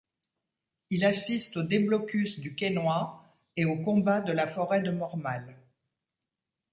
Il assiste au déblocus du Quesnoy et au combat de la forêt de Mormal.